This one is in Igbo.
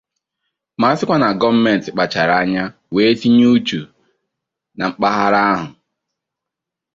ma sịkwa na gọọmenti kpachara anya wee tinye uchu na mpaghara ahụ